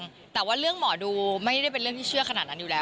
แต่ว่าเรื่องหมอดูไม่ได้เป็นเรื่องที่เชื่อขนาดนั้นอยู่แล้ว